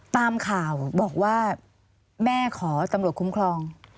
ตามข่าวบอกว่าแม่ขอตำรวจคุ้มครอง